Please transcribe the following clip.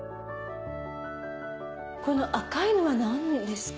この赤いのは何ですか？